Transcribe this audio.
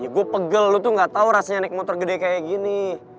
ya gue pegel lu tuh gak tau rasanya naik motor gede kayak gini